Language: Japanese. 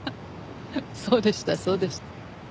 そうでしたそうでした。